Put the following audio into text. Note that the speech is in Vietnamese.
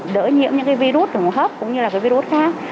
đỡ nhiễm những virus đồng hợp cũng như là virus khác